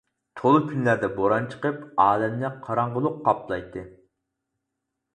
تولا كۈنلەردە بوران چىقىپ، ئالەمنى قاراڭغۇلۇق قاپلايتتى.